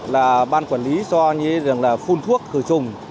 là băng quần lý cho như là phun thuốc khẩu trùng